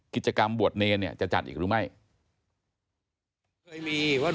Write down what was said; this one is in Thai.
กิจกรรมบวชเนรเนี่ยจะจัดอีกหรือไม่